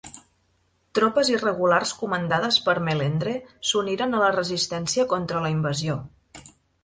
Tropes irregulars comandades per Melendre s'uniren a la resistència contra la invasió.